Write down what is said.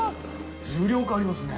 重量感ありますね。